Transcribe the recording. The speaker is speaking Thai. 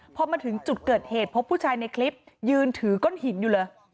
พอมาถึงจุดเกิดเหตุพบผู้ชายในคลิปยืนถือก้นหินอยู่เลย